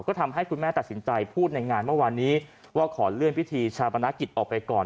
ก็ทำให้คุณแม่ตัดสินใจพูดในงานเมื่อวานนี้ว่าขอเลื่อนพิธีชาปนกิจออกไปก่อน